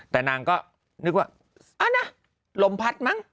แต่นางก็นึกว่านะลมพัดมั้ง